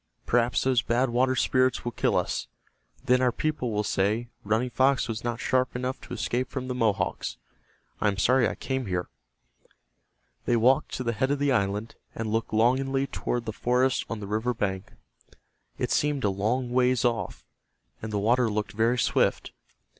Perhaps those Bad Water Spirits will kill us. Then our people will say, 'Running Fox was not sharp enough to escape from the Mohawks.' I am sorry I came here." They walked to the head of the island, and looked longingly toward the forest on the river bank. It seemed a long ways off, and the water looked very swift.